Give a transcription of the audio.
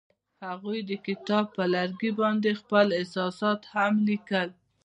هغوی د کتاب پر لرګي باندې خپل احساسات هم لیکل.